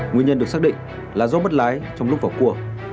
nguyên nhân được xác định là do mất lái trong lúc vào cua